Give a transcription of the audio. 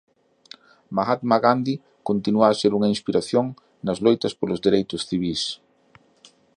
Mahatma Gandhi continúa a ser unha inspiración nas loitas polos dereitos civís